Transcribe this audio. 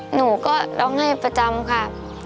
หนูก็ร้องไห้ประจำค่ะ